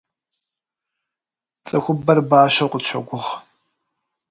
Цӏыхубэр бащэу къытщогугъ.